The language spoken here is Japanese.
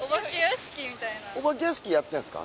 お化け屋敷やってんすか？